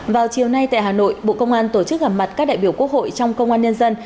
vào chiều nay tại hà nội bộ công an tổ chức gặp mặt các đại biểu quốc hội trong công an nhân dân